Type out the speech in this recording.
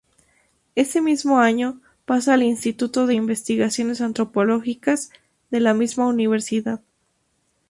Ese mismo año pasa al Instituto de Investigaciones Antropológicas de la misma Universidad.